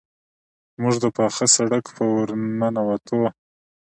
موږ د پاخه سړک په ورننوتو.